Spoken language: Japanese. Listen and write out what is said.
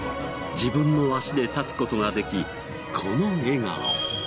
自分の足で立つ事ができこの笑顔。